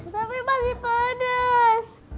tapi masih pedes